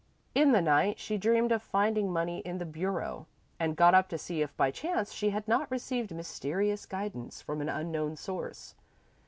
In the night she dreamed of finding money in the bureau, and got up to see if by chance she had not received mysterious guidance from an unknown source.